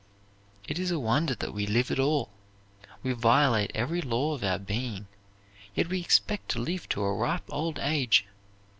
It is a wonder that we live at all. We violate every law of our being, yet we expect to live to a ripe old age.